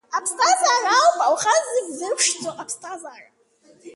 Аԥсҭазаара ауп, Алхас, зегь зырԥшӡо, аԥсҭазаара!